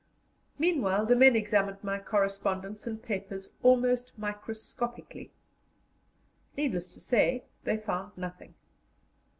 Meanwhile the men examined my correspondence and papers almost microscopically. Needless to say, they found nothing.